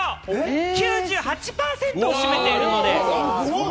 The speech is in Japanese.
９８％も占めているのです！